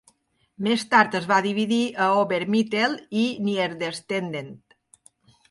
Més tard es va dividir a Ober-, Mittel- i Niederstedten.